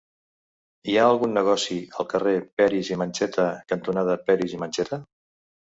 Hi ha algun negoci al carrer Peris i Mencheta cantonada Peris i Mencheta?